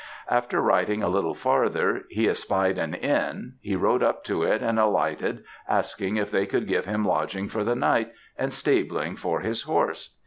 After riding a little farther, he espied an inn; he rode up to it and alighted, asking if they could give him lodging for the night, and stabling for his horse.